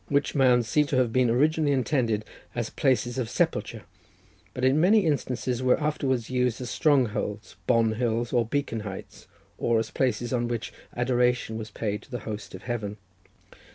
Which mounds seem to have been originally intended as places of sepulture, but in many instances were afterwards used as strongholds, bonhills or beacon heights, or as places on which adoration was paid to the host of heaven.